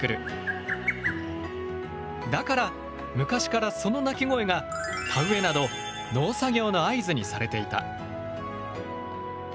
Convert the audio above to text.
だから昔からその鳴き声が田植えなど農作業の合図にされていた。